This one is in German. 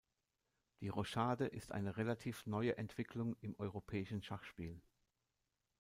Die Rochade ist eine relativ neue Entwicklung im europäischen Schachspiel.